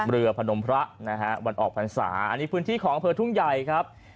เรือพนมพระวันออกพรรษาอันนี้พื้นที่ของเผลอทุ่งใหญ่ครับ